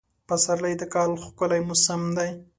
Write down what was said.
پسرلی د کال ښکلی موسم دی.